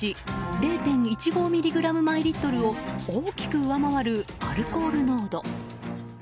０．１５ｍｇ毎リットルを大きく上回るアルコール濃度。